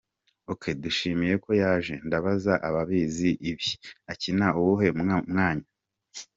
Ok, Dushimye Ko Yaje! Ndabaza Ababizi Ibi: Akina Kuwuhe Mwanya?.